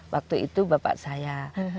waktu itu bapak saya